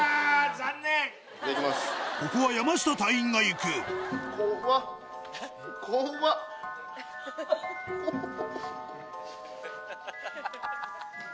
ここは山下隊員がいくうっ！